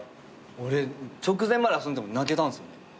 俺直前まで遊んでても泣けたんすよね。